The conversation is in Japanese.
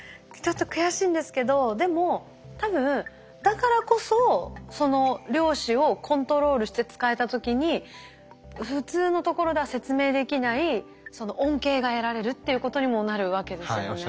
ちょっと悔しいんですけどでも多分だからこそその量子をコントロールして使えた時に普通のところでは説明できない恩恵が得られるっていうことにもなるわけですよね。